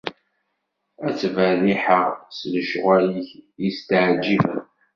Ad ttberriḥeɣ s lecɣwal-ik yesteɛǧiben.